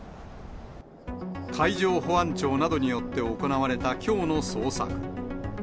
海上保安庁などによって行われたきょうの捜索。